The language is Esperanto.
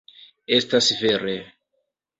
Estas vere.